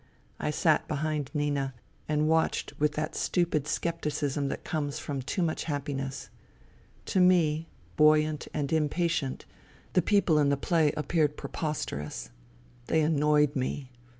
I sat behind Nina, and watched with that 16 FUTILITY stupid scepticism that comes from too much happi ness. To me, buoyant and impatient, the people in the play appeared preposterous. They annoyed me.